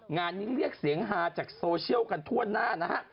งานนี้เรียกเสียงฮาจากโซเชียลกันทั่วหน้านะฮะ